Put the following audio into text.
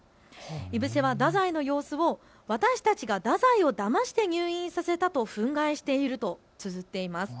井伏は太宰の様子を私たちが太宰をだまして入院させたと憤慨しているとつづっています。